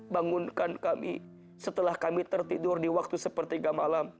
bangunkan kami setelah kami tertidur di waktu sepertiga malam